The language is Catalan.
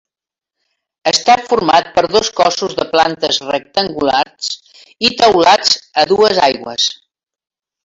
Està format per dos cossos de plantes rectangulars i teulats a dues aigües.